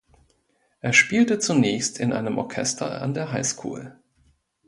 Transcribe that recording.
Er spielte zunächst in einem Orchester an der Highschool.